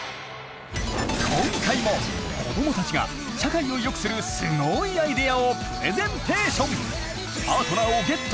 今回も子どもたちが社会をよくするすごいアイデアをプレゼンテーション！